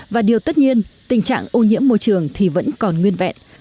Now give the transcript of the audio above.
và điều tất nhiên tình trạng ô nhiễm môi trường thì vẫn còn nguyên vẹn